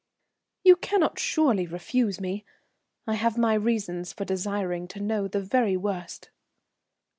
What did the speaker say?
"You cannot surely refuse me? I have my reasons for desiring to know the very worst."